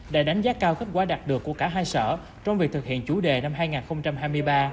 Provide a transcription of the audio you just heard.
đã đánh giá cao kết quả đạt được của cả hai sở trong việc thực hiện chủ đề năm hai nghìn hai mươi ba